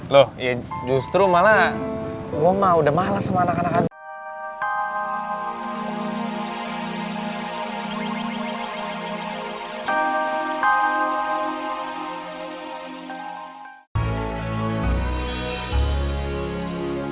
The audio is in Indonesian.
loh ya justru malah wom mah udah males sama anak anak